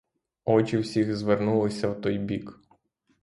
Очі всіх звернулися в той бік.